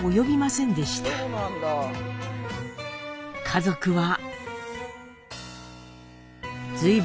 家族は。